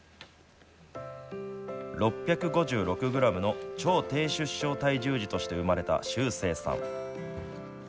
６５６グラムの超低出生体重児として生まれた秀星さん。